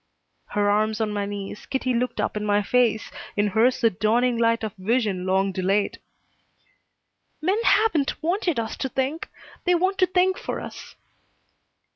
Her arms on my knees, Kitty looked up in my face, in hers the dawning light of vision long delayed. "Men haven't wanted us to think. They want to think for us."